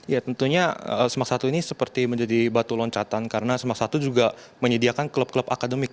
ya tentunya semak satu ini seperti menjadi batu loncatan karena semak satu juga menyediakan klub klub akademik